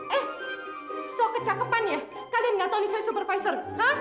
eh sok kecapepan ya kalian nggak tau nih saya supervisor